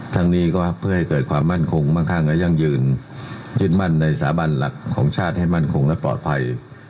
ทั้งนี้ก็เพื่อให้เกิดความมั่นคงมั่งข้างและยั่งยืนยึดมั่นในสาบันหลักของชาติให้มั่นคงและปลอดภัย